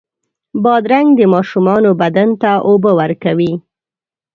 بادرنګ د ماشومانو بدن ته اوبه ورکوي.